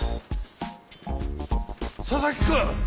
佐々木君！